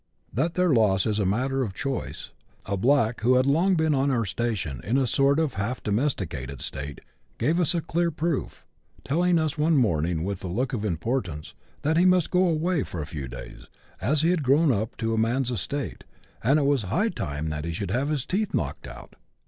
That their loss is a matter of choice, a black, who had long been on our station in a sort of half domes ticated state, gave us a clear proof, telling us one morning with 104 BUSH LIFE IN AUSTRALIA. [chap. x. a look of importance, that he must go away for a few days, as he had grown up to man*s estate, and " it was high time that he should have his teeth knocked out